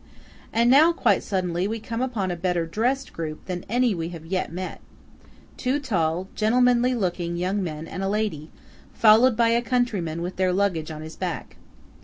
And now, quite suddenly, we come upon a better dressed group than any we have yet met–two tall, gentlemanly looking young men and a lady, followed by a countryman with their luggage on his back.